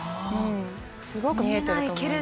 すごく見えていると思います。